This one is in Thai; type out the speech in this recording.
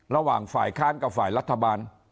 ระหว่างฝ่ายค้านกับฝ่ายรัฐบาล